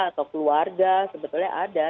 atau keluarga sebetulnya ada